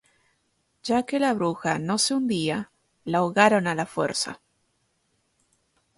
Ya que la "bruja" no se hundía, la ahogaron a la fuerza.